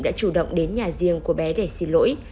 đã chủ động đến nhà riêng của bé để xin lỗi